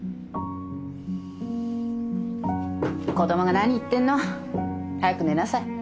子供が何言ってんの。早く寝なさい。